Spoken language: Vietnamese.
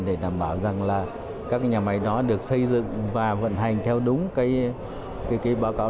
để đảm bảo rằng là các nhà máy đó được xây dựng và vận hành theo đúng cái báo cáo